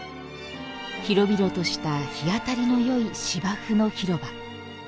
広々とした日当たりのよい芝生の広場。